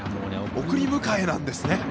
送り迎えなんですね。